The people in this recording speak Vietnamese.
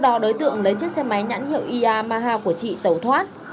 đối tượng lấy chiếc xe máy nhãn hiệu yamaha của chị tẩu thoát